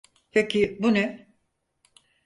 Peki bu ne?